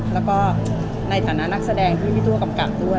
แล้วก็ในฐานะนักแสดงที่พี่ตัวกำกับด้วย